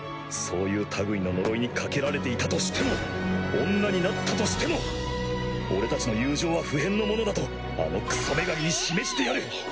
そういう類いの呪いにかけられていたとしても女になったとしても俺たちの友情は不変のものだとあのクソ女神に示してやる！